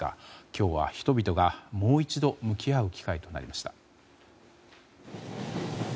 今日は人々がもう一度向き合う機会となりました。